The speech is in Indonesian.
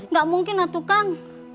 tidak mungkin atu kang